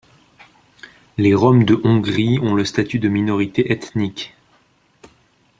Les Roms de Hongrie ont le statut de minorité ethnique.